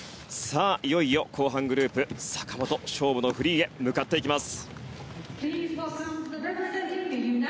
いよいよ後半グループ坂本、勝負のフリーへ向かっていきます。